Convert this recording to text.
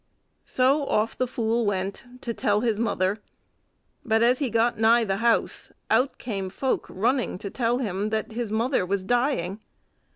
So off the fool went to tell his mother. But as he got nigh the house, out came folk running to tell him that his mother was dying.